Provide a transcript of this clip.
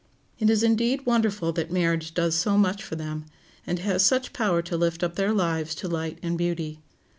It is indeed wonderful that marriage does so much for them, and has such power to lift up their lives to light and beauty.